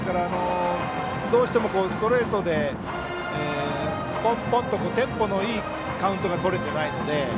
どうしてもストレートでポンポンとテンポのいいカウントがとれていないので。